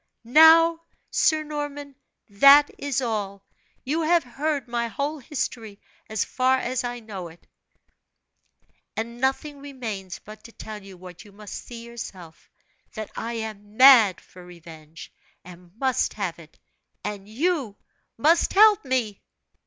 "Now, Sir Norman, that is all you have heard my whole history as far as I know it; and nothing remains but to tell you what you must see yourself, that I am mad for revenge, and must have it, and you must help me!"